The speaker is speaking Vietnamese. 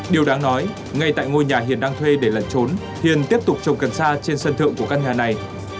điều đáng nói ngay tại ngôi nhà hiền đang thuê để lẩn trốn hiền tiếp tục trồng cần sa trên sân thượng của căn nhà này